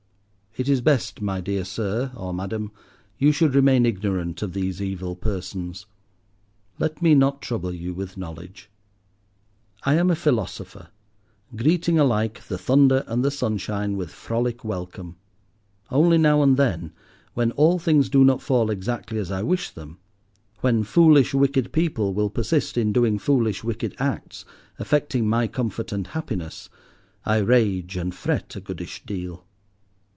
It is best, my dear sir, or madam, you should remain ignorant of these evil persons. Let me not trouble you with knowledge. I am a philosopher, greeting alike the thunder and the sunshine with frolic welcome. Only now and then, when all things do not fall exactly as I wish them, when foolish, wicked people will persist in doing foolish, wicked acts, affecting my comfort and happiness, I rage and fret a goodish deal.